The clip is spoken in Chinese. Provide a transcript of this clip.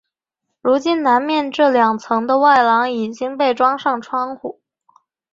如今南面这两层的外廊已经被装上窗户。